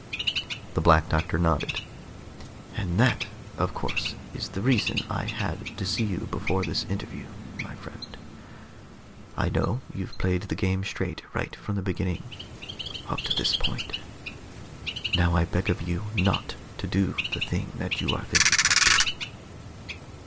The Black Doctor nodded. "And that, of course, is the reason I had to see you before this interview, my friend. I know you've played the game straight right from the beginning, up to this point. Now I beg of you not to do the thing that you are thinking of doing."